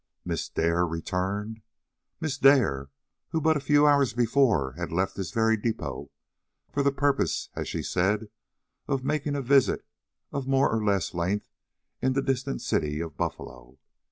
Miss Dare returned? Miss Dare, who but a few hours before had left this very depot for the purpose, as she said, of making a visit of more or less length in the distant city of Buffalo?